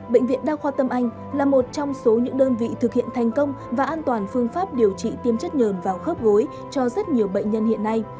bệnh viện đa khoa tâm anh là một trong số những đơn vị thực hiện thành công và an toàn phương pháp điều trị tiêm chất nhờn vào khớp gối cho rất nhiều bệnh nhân hiện nay